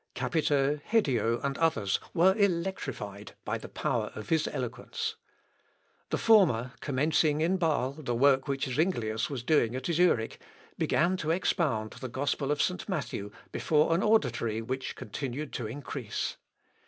Capito, Hedio, and others, were electrified by the power of his eloquence. The former commencing in Bâle the work which Zuinglius was doing at Zurich, began to expound the gospel of St. Matthew before an auditory which continued to increase.